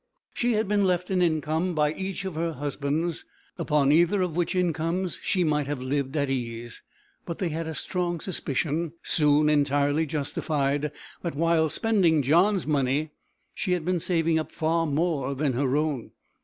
She had been left an income by each of her husbands, upon either of which incomes she might have lived at ease; but they had a strong suspicion, soon entirely justified, that while spending John's money, she had been saving up far more than her own.